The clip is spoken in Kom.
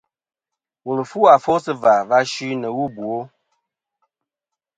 Wùl fu afo sɨ̀ và va suy nɨ̀ wu ɨ bwo.